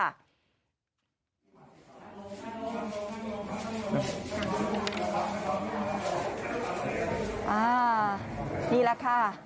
อ่าดีแล้วค่ะ